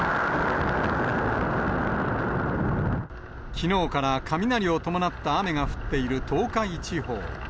きのうから雷を伴った雨が降っている東海地方。